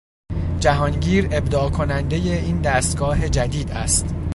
جهانگیر ابداع کننده این دستگاه جدید است.